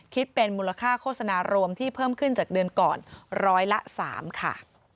คิดเป็นมูลค่าโฆษณารวมที่เพิ่มขึ้นจากเดือนก่อนร้อยละ๓ค่ะ